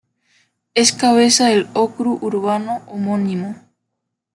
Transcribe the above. Es cabeza del ókrug urbano homónimo.